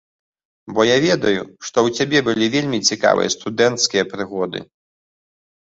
Бо я ведаю, што ў цябе былі вельмі цікавыя студэнцкія прыгоды.